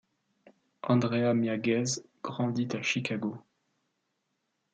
Andrea Mia Ghez grandit à Chicago.